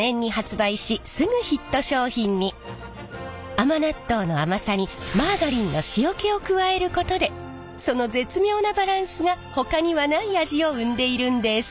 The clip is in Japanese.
甘納豆の甘さにマーガリンの塩気を加えることでその絶妙なバランスがほかにはない味を生んでいるんです。